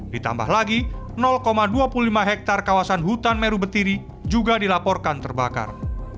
ditambah lagi dua puluh lima hektare kawasan hutan meru betiri juga dilaporkan terbakar